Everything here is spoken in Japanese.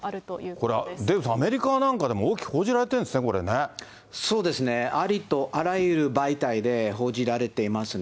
これ、アメリカなんかでも大きく報じられてるんですね、これそうですね、ありとあらゆる媒体で、報じられていますね。